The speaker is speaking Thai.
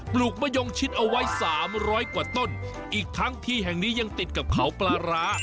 ลูกมะยงชิดเอาไว้สามร้อยกว่าต้นอีกทั้งที่แห่งนี้ยังติดกับเขาปลาร้า